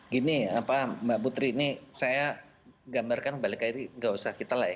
gini mbak putri ini saya gambarkan balik air gak usah kita lah ya